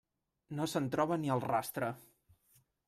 No se'n troba ni el rastre.